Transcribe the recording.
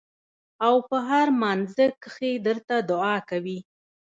او پۀ هر مانځه کښې درته دعا کوي ـ